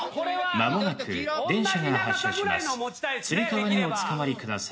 間もなく電車が発車します。